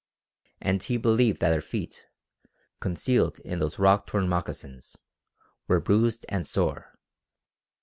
And he believed that her feet, concealed in those rock torn moccasins, were bruised and sore.